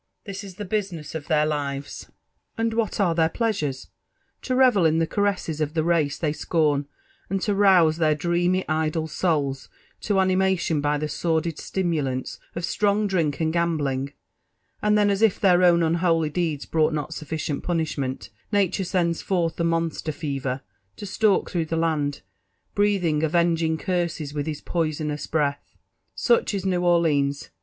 This is the business df their lives : ^Hind JONATHAN JEFFERSON WHlT^iAW. Ift whttare their pleasures? To revel in the' caredses of (he race they aoom, and to rouse tbcit dreamy, idle souls toaQimation by the sordid sdmulanU of sirong drink and gambling : and iben, ^as if their own unholy deeds brought not sufficient punishment/ nature sends forth the monster Fever, to stalk through the land^ breathing avenging ^Mirsc^ iK'ith his poisonous breath. Such is New Orleans.